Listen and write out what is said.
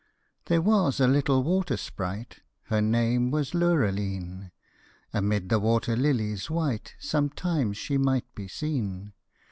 _ There was a little water sprite, her name was Lurlaline; Amid the water lilies white sometimes she might be seen.